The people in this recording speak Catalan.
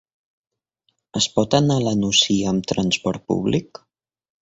Es pot anar a la Nucia amb transport públic?